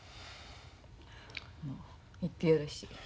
もう行ってよろし。